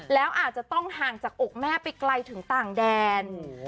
แล้วอาจจะต้องห่างจากอกแม่ไปไกลถึงต่างแดน